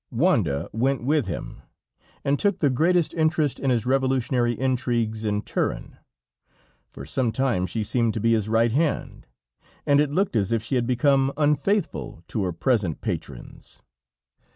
Wanda went with him, and took the greatest interest in his revolutionary intrigues in Turin; for some time she seemed to be his right hand, and it looked as if she had become unfaithful to her present patrons.